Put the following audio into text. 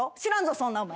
そんなお前。